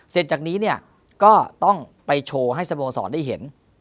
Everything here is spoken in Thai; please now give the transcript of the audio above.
จากนี้เนี่ยก็ต้องไปโชว์ให้สโมสรได้เห็น